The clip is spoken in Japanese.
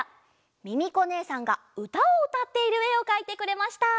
ミミコねえさんがうたをうたっているえをかいてくれました。